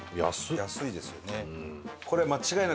安いですよね。